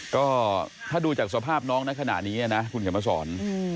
ก็ถ้าดูจากสภาพน้องในขณะนี้นะคุณเขียนมาสอน